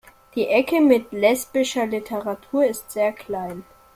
Die Ecke mit lesbischer Literatur ist sehr klein.